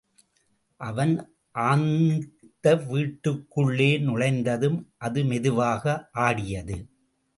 அவன் ஆந்த விட்டுக்குள்ளே நுழைந்ததும், அது மெதுவாக ஆடியது.